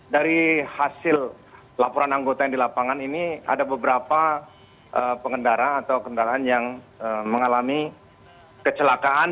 dari hasil laporan anggota yang di lapangan ini ada beberapa pengendara atau kendaraan yang mengalami kecelakaan